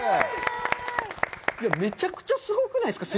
めちゃくちゃすごくないですか？